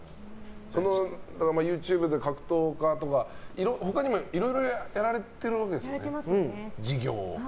そのＹｏｕＴｕｂｅで格闘家とか他にもいろいろやられているわけですよね